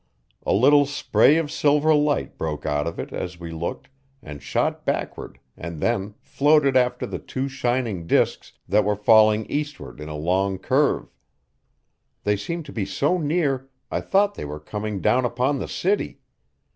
A little spray of silver light broke out of it, as we looked, and shot backward and then floated after the two shining disks that were falling eastward in a long curve. They seemed to be so near I thought they were coming down upon the city.